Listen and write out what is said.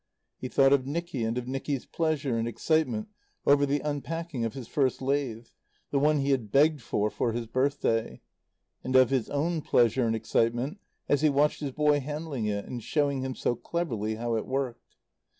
He thought of Nicky and of Nicky's pleasure and excitement over the unpacking of his first lathe the one he had begged for for his birthday and of his own pleasure and excitement as he watched his boy handling it and showing him so cleverly how it worked.